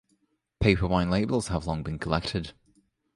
Paper wine labels have long been collected.